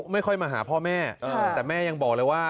มาหาพ่อแม่แต่แม่ยังบอกเลยว่า